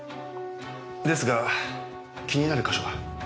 ですが気になる箇所が。